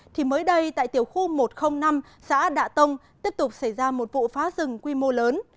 thì mới đây tại tiểu khu một trăm linh năm xã đạ tông tiếp tục xảy ra một vụ phá rừng quy mô lớn